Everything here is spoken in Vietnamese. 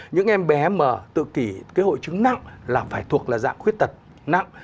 những em bé mà tự kỷ cái hội chứng nặng là phải thuộc là dạng khuyết tật nặng